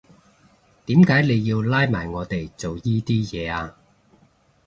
點解你要拉埋我哋做依啲嘢呀？